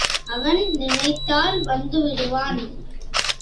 அவன் நினைத்தால் வந்துவிடுவான்.